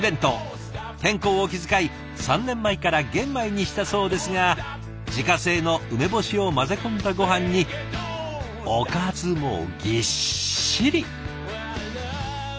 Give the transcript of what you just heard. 健康を気遣い３年前から玄米にしたそうですが自家製の梅干しを混ぜ込んだごはんにおかずもぎっしり！